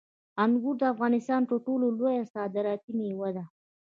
انګور د افغانستان تر ټولو لویه صادراتي میوه ده.